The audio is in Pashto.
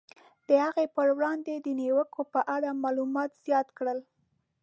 د هغه پر وړاندې د نیوکو په اړه معلومات زیات کړل.